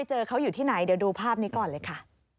เจอเขาอยู่ที่ไหนเดี๋ยวดูภาพนี้ก่อนเลยค่ะ